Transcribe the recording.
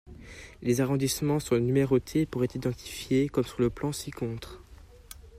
Les arrondissements sont numérotés pour être identifiés, comme sur le plan ci-contre.